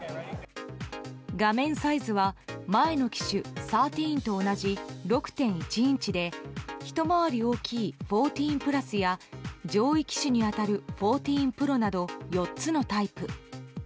画面サイズは前の機種、１３と同じ６．１インチで一回り大きい１４Ｐｌｕｓや上位機種に当たる１４Ｐｌｕｓなど４つのタイプ。